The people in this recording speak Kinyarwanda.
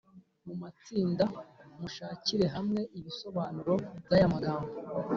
Mu matsinda mushakire hamwe ibisobanuro by’aya magambo